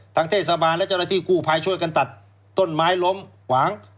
เทศบาลและเจ้าหน้าที่กู้ภัยช่วยกันตัดต้นไม้ล้มขวาง